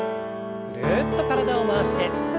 ぐるっと体を回して。